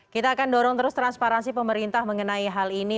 kita akan dorong terus transparansi pemerintah mengenai hal ini